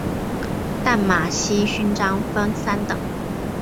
淡马锡勋章分三等。